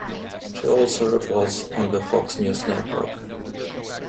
She also reports on the Fox News Network.